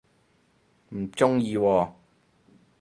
唔鍾意喎